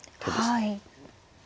はい。